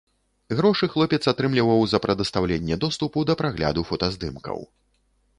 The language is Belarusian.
Грошы хлопец атрымліваў за прадастаўленне доступу да прагляду фотаздымкаў.